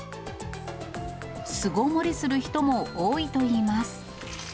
巣ごもりする人も多いといいます。